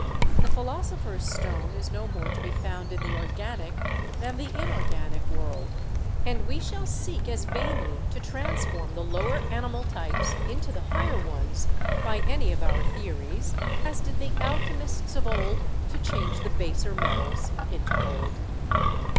The philoso pher's stone is no more to be found in the organic than the inorganic world; and we shall seek as vainly to transform the lower animal types into the higher ones by any of our theories, as did the alchemists of old to change the baser metals into gold."